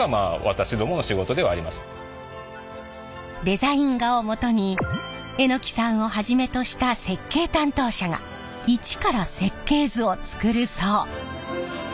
デザイン画をもとに榎さんをはじめとした設計担当者が一から設計図を作るそう。